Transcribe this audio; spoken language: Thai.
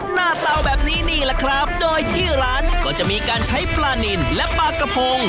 เตาแบบนี้นี่แหละครับโดยที่ร้านก็จะมีการใช้ปลานินและปลากระพง